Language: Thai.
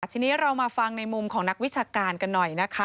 ทีนี้เรามาฟังในมุมของนักวิชาการกันหน่อยนะคะ